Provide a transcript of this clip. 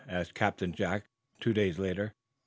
asked Captain Jack, two days later.